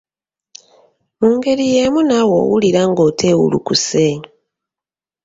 Mu ngeri yeemu naawe owulira ng'oteewulukuse